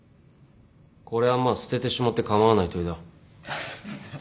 これはまあ捨ててしまって構わない問だ。